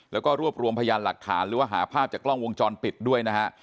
แล้วก็รวบรวมพยานหลักฐานหรือว่าหาภาพจากกล้องวงจรปิดด้วยนะฮะ